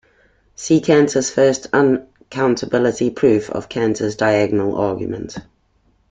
See Cantor's first uncountability proof and Cantor's diagonal argument.